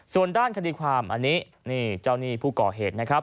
ส่วนด้านคดีความอันนี้นี่เจ้าหนี้ผู้ก่อเหตุนะครับ